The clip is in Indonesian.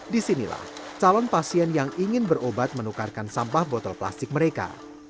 disinilah calon pasien yang ingin berobat menukarkan sampah botol plastik mereka